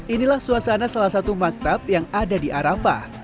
inilah suasana salah satu maktab yang ada di arafah